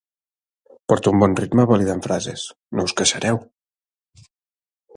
Porto un bon ritme validant frases, no us queixareu.